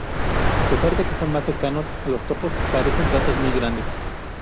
A pesar de que son más cercanos a los topos, parecen ratas muy grandes.